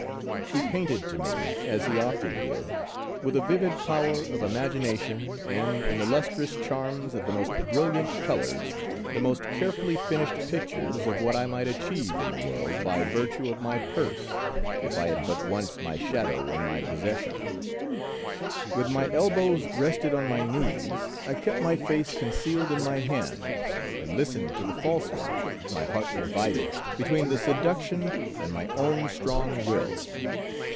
He painted to me, as he often did, with a vivid power of imagination and in the lustrous charms of the most brilliant colors, the most carefully finished pictures of what I might achieve in the world by virtue of my purse, if I had but once my shadow in my possession. With my elbows rested on my knees, I kept my face concealed in my hands and listened to the false one, my heart divided between the seduction and my own strong will.